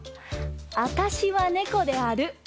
「あたしは猫である」